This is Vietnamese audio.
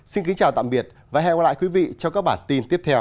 xin kính chào tạm biệt và hẹn gặp lại quý vị trong các bản tin tiếp theo